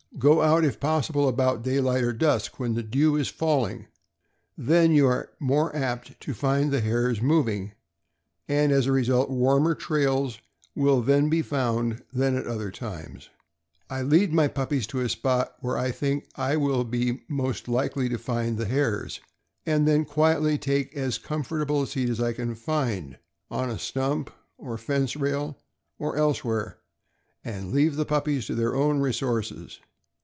Go out, if possible, about daylight or dusk, when the dew is falling; then you are more apt to find the hares moving, and, as a result, warmer trails will then be found than at other times. I lead my puppies to a spot where I think I will be most likely to find the hares, and then quietly take as comfort able a seat as I can find, on a stump or fence rail, or else where, and leave the puppies to their own resources.